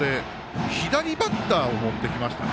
左バッターを持ってきましたね。